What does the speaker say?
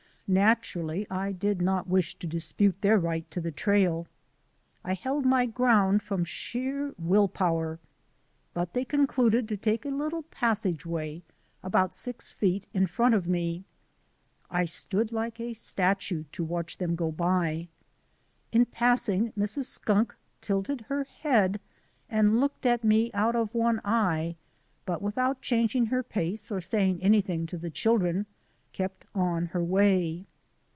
Naturally I did not wish to dispute their right to the trail. I held my ground from sheer will power. But they con cluded to take a little passageway about six feet in front of me. I stood like a statue to watch them go by. In passing Mrs. Skunk tilted her head and looked at me out of one eye, but without changing her pace or saying anything to the chil dren, kept on her way.